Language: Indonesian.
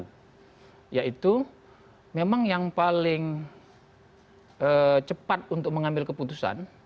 nah yaitu memang yang paling cepat untuk mengambil keputusan